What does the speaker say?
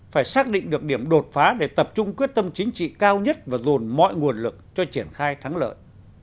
phải xác định được điểm đột phá để tập trung quyết tâm chính trị cao nhất và dồn mọi nguồn lực cho triển khai thắng lợi